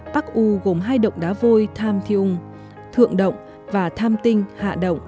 pa u gồm hai động đá vôi tham thi ung và tham tinh